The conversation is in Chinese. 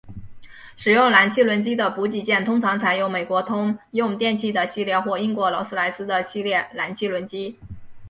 使用燃气轮机的补给舰通常采用美国通用电气的系列或英国劳斯莱斯的系列燃气轮机。